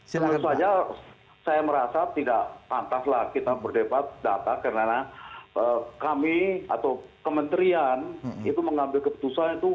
terus saja saya merasa tidak pantaslah kita berdebat data karena kami atau kementerian itu mengambil keputusan yang lebih jauh